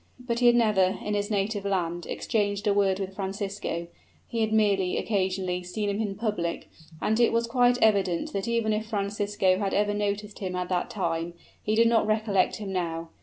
But he had never, in his native land, exchanged a word with Francisco; he had merely, occasionally, seen him in public; and it was quite evident that even if Francisco had ever noticed him at that time, he did not recollect him now.